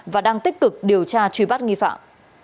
và đang tích cực điều tra truy bắt nghi phạm